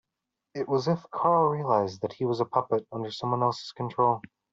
It was as if Carl realised that he was a puppet under someone else's control.